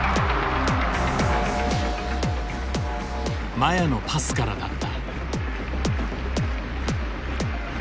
麻也のパスからだった。